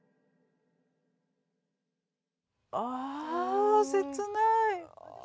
あ切ない。